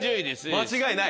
間違いない？